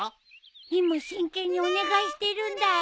今真剣にお願いしてるんだよ。